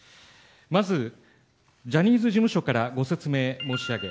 まずジャニーズ事務所からご説明申し上げ